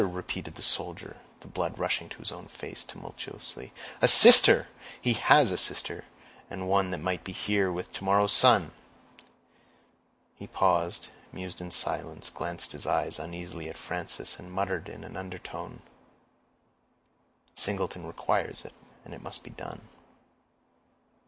repeated the soldier, the blood rushing to his own face tumultuously; "a sister! He has a sister; and one that might be here with to morrow's sun." He paused, mused in silence, glanced his eyes uneasily at Frances, and muttered in an undertone, "Singleton requires it, and it must be done."